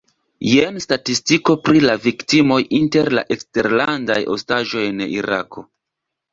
Jen statistiko pri la viktimoj inter la eksterlandaj ostaĝoj en Irako.